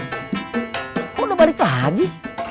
kok udah balik lagi